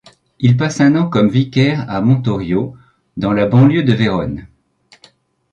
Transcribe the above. Il passe un an comme vicaire à Montorio, dans la banlieue de Vérone.